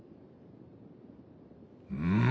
うん？